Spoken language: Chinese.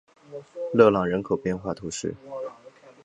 勒朗人口变化图示